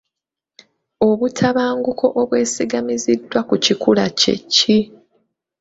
Obutabanguko obwesigamiziddwa ku kikula kye ki?